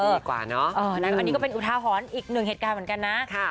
ดีกว่าเนอะอันนี้ก็เป็นอุทาหรณ์อีกหนึ่งเหตุการณ์เหมือนกันนะ